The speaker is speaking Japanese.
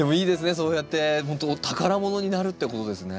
そうやってほんと宝物になるってことですね。